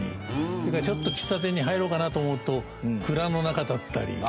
それからちょっと喫茶店に入ろうかなと思うと蔵の中だったり。